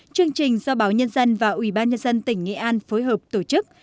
chương trình do báo nhân dân và ủy ban nhân dân tỉnh nghệ an phối hợp tổ chức